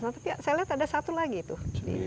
nah tapi saya lihat ada satu lagi tuh